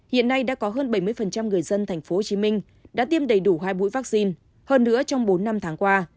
hiện nay đã có hơn bảy mươi người dân tp hcm đã tiêm đầy đủ hai mũi vaccine hơn nữa trong bốn năm tháng qua